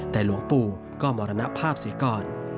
แต่หลวงปู่ก็มรณภาพเสียก่อน